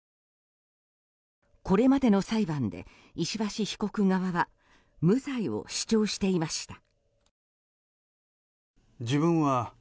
これまでの裁判で石橋被告側は無罪を主張していました。